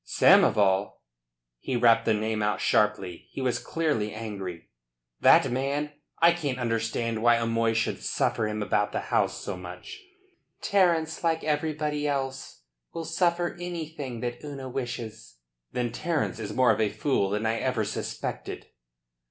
"Samoval!" he rapped the name out sharply. He was clearly angry. "That man! I can't understand why O'Moy should suffer him about the house so much." "Terence, like everybody else, will suffer anything that Una wishes." "Then Terence is more of a fool than I ever suspected."